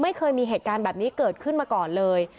ไม่เคยมีเหตุการณ์แบบนี้เกิดขึ้นมาก่อนเลย